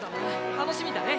楽しみだね。